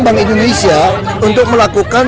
bank indonesia untuk melakukan